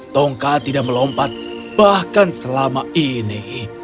tongka tidak melompat bahkan selama ini